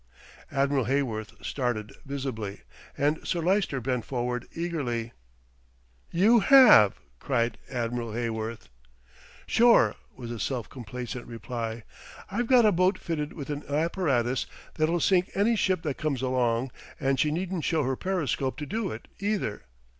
Admiral Heyworth started visibly, and Sir Lyster bent forward eagerly. "You have!" cried Admiral Heyworth. "Sure," was the self complacent reply. "I've got a boat fitted with an apparatus that'll sink any ship that comes along, and she needn't show her periscope to do it either.